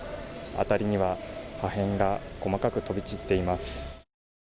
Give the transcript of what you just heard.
辺りには破片が細かく飛び散っています。